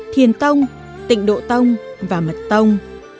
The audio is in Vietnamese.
thiền tông tịnh độ tông và mật tông